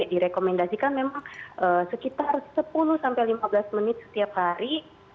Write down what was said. direkomendasikan memang sekitar sepuluh sampai lima belas menit setiap hari